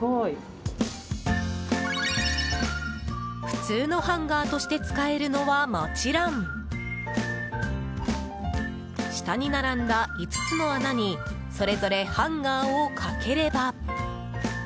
普通のハンガーとして使えるのはもちろん下に並んだ５つの穴にそれぞれハンガーをかければ。